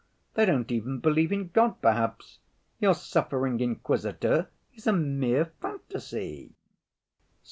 They don't even believe in God perhaps. Your suffering Inquisitor is a mere fantasy."